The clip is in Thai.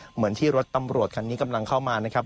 เหมือนที่รถตำรวจคันนี้กำลังเข้ามานะครับ